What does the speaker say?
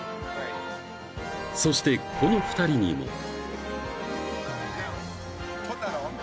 ［そしてこの２人にも］